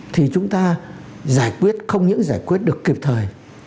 thì chúng ta giải quyết không những giải quyết được kịp thời